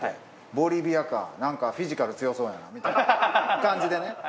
ボリビアかなんかフィジカル強そうやなみたいな感じでね。